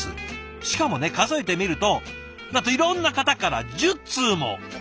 しかもね数えてみるとなんといろんな方から１０通も！